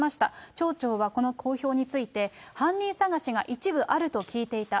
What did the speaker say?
町長は、この公表について、犯人捜しが一部あると聞いていた。